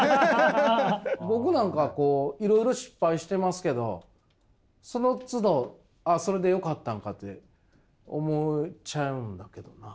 僕なんかいろいろ失敗してますけどそのつどああそれでよかったんかって思っちゃうんだけどな。